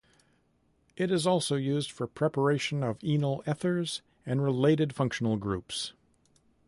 It is also used for preparation of enol ethers and related functional groups.